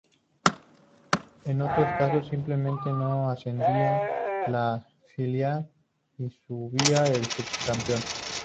En otros casos simplemente no ascendía la filial y subía el subcampeón.